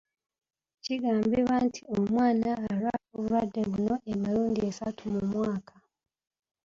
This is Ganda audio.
Kigambibwa nti omwana alwala obulwadde buno emirundi esatu mu mwaka